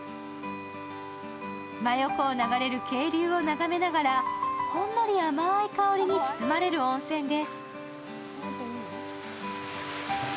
真横を流れる渓流を眺めながら、ほんのり甘い香りに包まれる温泉です。